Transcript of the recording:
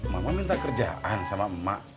mama minta kerjaan sama emak